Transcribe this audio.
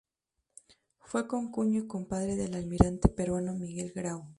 Fue concuñado y compadre del almirante peruano Miguel Grau.